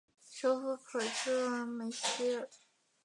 首府普热梅希尔。